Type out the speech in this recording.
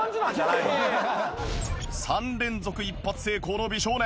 ３連続１発成功の美少年。